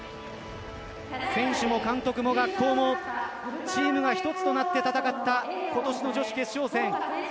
選手も監督も学校もチームが一つとなって戦った今年の女子決勝戦。